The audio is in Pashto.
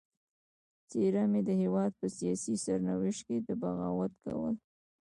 خبره مې د هېواد په سیاسي سرنوشت کې د بغاوت کوله.